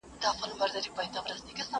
په دنیا کي چي هر څه کتابخانې دي؛